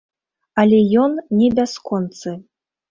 Але ён не бясконцы.